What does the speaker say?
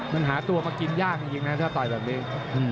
มันหาตัวมากินยากจริงนะถ้าต่อยแบบนี้